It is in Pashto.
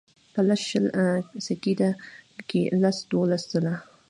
پۀ لس شل سیکنډه کښې لس دولس ځله